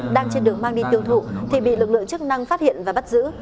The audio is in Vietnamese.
đang trên đường mang đi tiêu thụ thì bị lực lượng chức năng phát hiện và bắt giữ